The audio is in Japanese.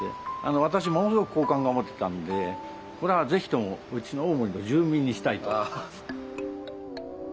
私ものすごく好感が持てたんでこれはぜひともうちの大森の住民にしたいと。